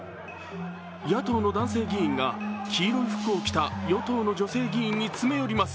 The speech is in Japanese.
野党の男性議員が黄色い服を着た与党の女性議員に詰め寄ります。